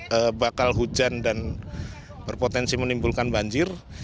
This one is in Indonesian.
yang berpotensi bakal hujan dan berpotensi menimbulkan banjir